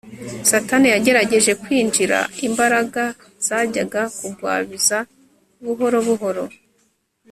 satani yagerageje kwinjiza imbaraga zajyaga kugwabiza buhoro buhoro